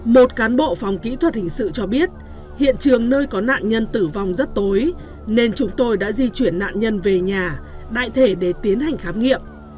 một cán bộ phòng kỹ thuật hình sự cho biết hiện trường nơi có nạn nhân tử vong rất tối nên chúng tôi đã di chuyển nạn nhân về nhà đại thể để tiến hành khám nghiệm